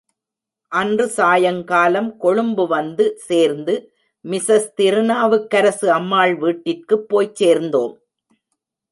அன்று சாயங்காலம் கொழும்பு வந்து சேர்ந்து, மிஸஸ் திருநாவுக்கரசு அம்மாள் வீட்டிற்குப் போய்ச் சேர்ந்தோம்.